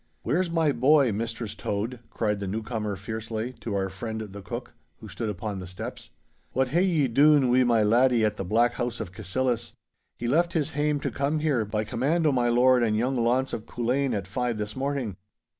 'Where's my boy, Mistress Tode?' cried the newcomer fiercely, to our friend the cook, who stood upon the steps. 'What hae ye dune wi' my laddie at the black house of Cassillis? He left his hame to come here, by command o' my lord and young Launce of Culzean, at five this morning.